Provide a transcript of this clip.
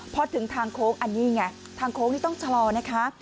พอถึงทางโค้งอันนี้ไงทางโค้งนี่ต้องชะลอนะคะ